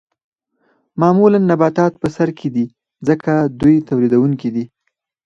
معمولاً نباتات په سر کې دي ځکه دوی تولیدونکي دي